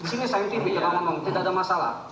disini saintifik kita ngomong tidak ada masalah